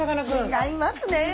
違いますね！